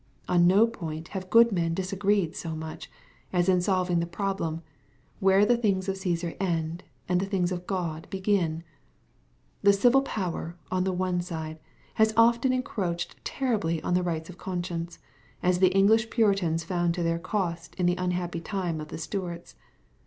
^ On no point have good men disagreed so much, as in solving the problem, " where the things of OeBsar end, and the things of God hegin/'\ The civil power, on the one side, has often encroached terribly on the rights of conscience — as the English puritans found to their cost in the unhappy time of the Stuarts.